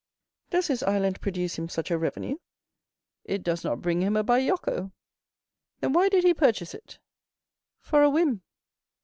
"Does his island produce him such a revenue?" "It does not bring him a bajocco." "Then why did he purchase it?" "For a whim."